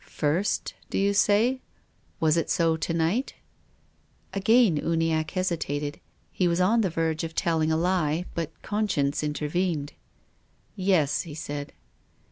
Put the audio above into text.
"First, do you say? Was it so to night?" Again Uniacke hesitated. He was on the verge of telling a lie, but conscience intervened. "Yes," he said.